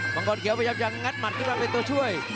มังกรเขียวพยายามจะงัดหมัดขึ้นมาเป็นตัวช่วย